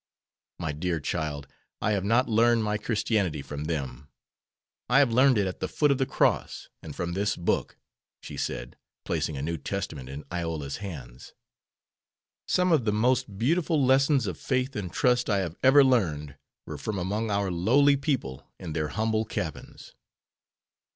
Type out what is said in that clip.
"My dear child, I have not learned my Christianity from them. I have learned it at the foot of the cross, and from this book," she said, placing a New Testament in Iola's hands. "Some of the most beautiful lessons of faith and trust I have ever learned were from among our lowly people in their humble cabins."